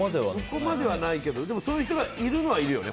そこまではないけどそういう人がいるのはいるよね。